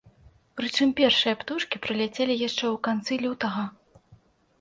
Прычым першыя птушкі прыляцелі яшчэ ў канцы лютага.